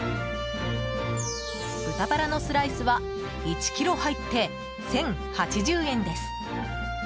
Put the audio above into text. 豚バラのスライスは１ｋｇ入って、１０８０円です。